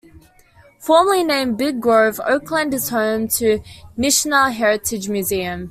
Formerly named Big Grove, Oakland is home to Nishna Heritage Museum.